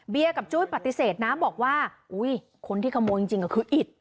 กับจุ้ยปฏิเสธนะบอกว่าอุ้ยคนที่ขโมยจริงก็คืออิด